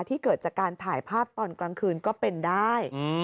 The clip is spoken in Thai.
เกิดจากการถ่ายภาพตอนกลางคืนก็เป็นได้